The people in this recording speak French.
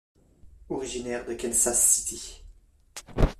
Originaire de Kansas City.